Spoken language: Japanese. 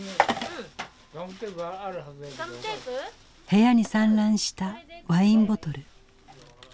部屋に散乱したワインボトル。